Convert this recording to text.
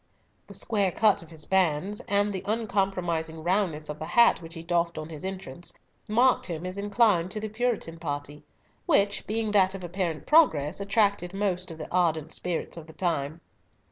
The square cut of his bands, and the uncompromising roundness of the hat which he doffed on his entrance, marked him as inclined to the Puritan party, which, being that of apparent progress, attracted most of the ardent spirits of the time.